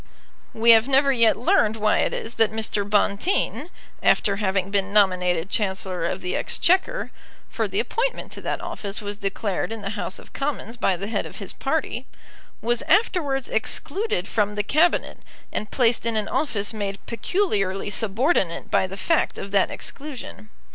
We have never yet learned why it is that Mr. Bonteen, after having been nominated Chancellor of the Exchequer, for the appointment to that office was declared in the House of Commons by the head of his party, was afterwards excluded from the Cabinet, and placed in an office made peculiarly subordinate by the fact of that exclusion.